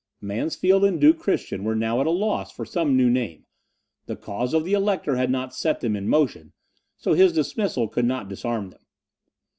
Mansfeld and Duke Christian were now at a loss for some new name; the cause of the Elector had not set them in motion, so his dismissal could not disarm them.